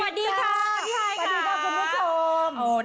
สวัสดีค่ะคุณผู้ชม